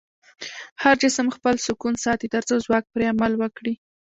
هر جسم خپل سکون ساتي تر څو ځواک پرې عمل وکړي.